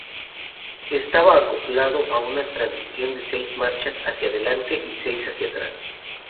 Estaba acoplado a una trasmisión de seis marchas hacia adelante y seis hacia atrás.